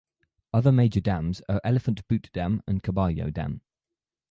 Other major dams are Elephant Butte Dam and Caballo Dam.